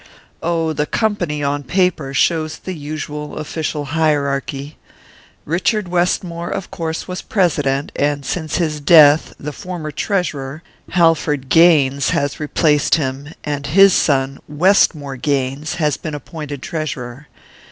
"Oh, the company, on paper, shows the usual official hierarchy. Richard Westmore, of course, was president, and since his death the former treasurer Halford Gaines has replaced him, and his son, Westmore Gaines, has been appointed treasurer.